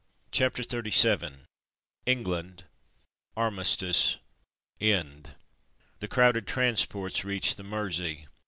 CHAPTER XXXVII ENGLAND — ARMISTICE — END The crowded transports reached the Mer sey.